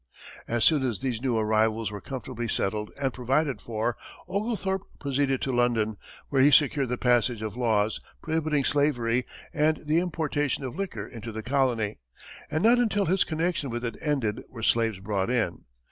As soon as these new arrivals were comfortably settled and provided for, Oglethorpe proceeded to London, where he secured the passage of laws prohibiting slavery and the importation of liquor into the colony, and not until his connection with it ended were slaves brought in.